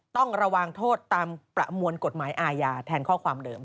ต้องระวังโทษตามประมวลกฎหมายอาญาแทนข้อความเดิม